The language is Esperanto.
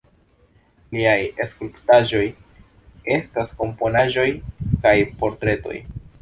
Liaj skulptaĵoj estas komponaĵoj kaj portretoj.